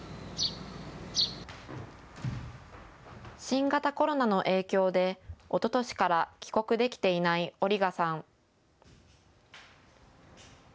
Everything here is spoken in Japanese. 新型コロナの影響でおととしから帰国できていないオリガさん。